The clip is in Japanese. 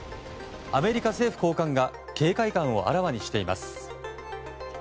アメリカ政府高官が警戒感をあらわにしています。